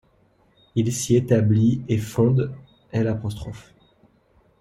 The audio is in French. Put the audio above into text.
Il s'y établit et fonde l'.